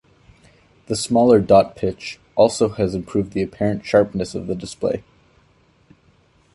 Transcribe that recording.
The smaller dot pitch has also improved the apparent sharpness of the display.